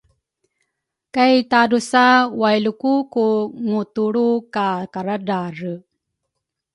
kay tadrusa wailuku ku ngutulru ka karadrare.